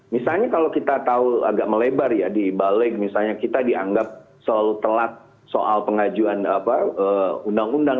misalnya kalau kita tahu agak melebar ya di balik misalnya kita dianggap selalu telat soal pengajuan undang undang